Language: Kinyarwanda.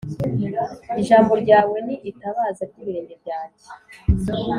Ijambo ryawe ni itabaza ry’ibirenge byanjye,